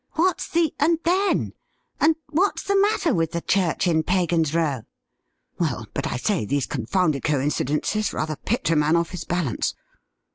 ' What's the " and then," and what's the matter with the church in Pagan's Row ?'' Well, but, I say, these confounded coincidences rather pitch a man off his balance.